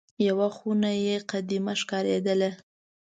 یوه خونه یې قدیمه ښکارېدله.